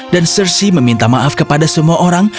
dan cersei meminta maaf kepada semua orang